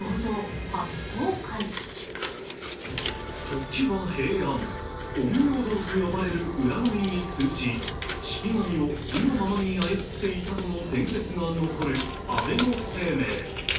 時は平安、陰陽道と呼ばれる占いに通じ式神を意のままに操っていたとの伝説が残る安倍晴明。